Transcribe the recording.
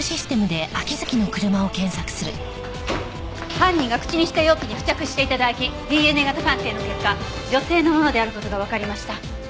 犯人が口にした容器に付着していた唾液ＤＮＡ型鑑定の結果女性のものである事がわかりました。